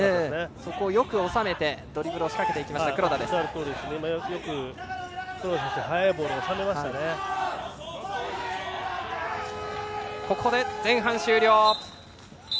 そこをよく収めてドリブルを仕掛けていったよく黒田選手もここで前半終了。